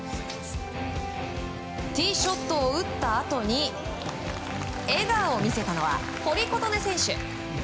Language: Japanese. ティーショットを打ったあとに笑顔を見せたのは堀琴音選手。